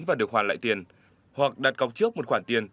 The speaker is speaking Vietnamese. và được hoàn lại tiền hoặc đặt cọc trước một khoản tiền